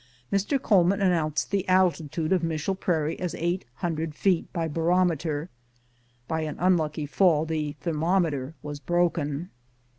Mr. Coleman announced the altitude of Mishell Prairie as eight hundred feet by barometer. By an unlucky fall the thermometer was broken.